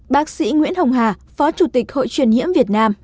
bác sĩ nguyễn hồng hà phó chủ tịch hội truyền nhiễm việt nam